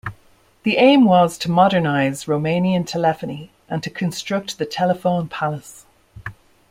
The aim was to modernize Romanian telephony and to construct the Telephone Palace.